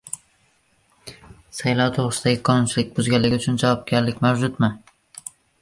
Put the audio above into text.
Saylov to‘g‘risidagi qonunchilikni buzganlik uchun javobgarlik mavjudmi?